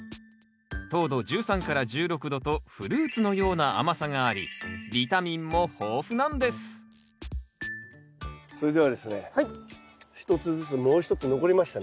糖度１３１６度とフルーツのような甘さがありビタミンも豊富なんですそれではですね一つずつもう一つ残りましたね。